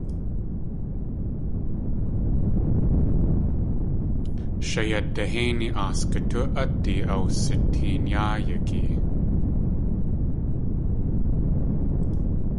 Shayadihéini aasgutú .ádí awsiteen yáa yagiyee.